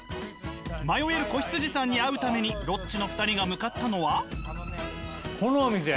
迷える子羊さんに会うためにロッチの２人が向かったのは。